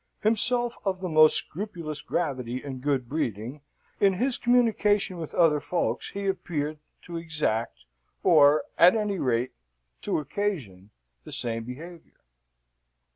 Himself of the most scrupulous gravity and good breeding, in his communication with other folks he appeared to exact, or, at any rate, to occasion, the same behaviour.